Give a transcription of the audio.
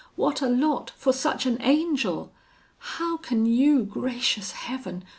What a lot for such an angel! How can you, gracious Heaven!